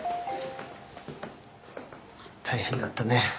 大変だったね。